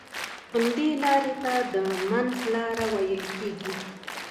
همدې لارې ته د منځ لاره ويل کېږي.